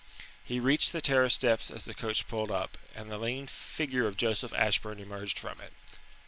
He reached the terrace steps as the coach pulled up, and the lean figure of Joseph Ashburn emerged from it.